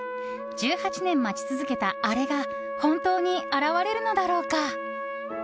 １８年、待ち続けたアレが本当に現れるのだろうか。